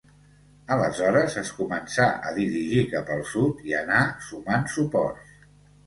Aleshores es començà a dirigir cap al sud i anà sumant suports.